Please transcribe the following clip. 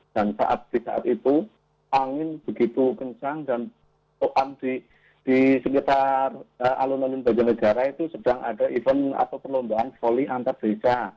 dan saat itu angin begitu kencang dan di sekitar alun alun banjar negara itu sedang ada event atau perlombaan foli antarbeza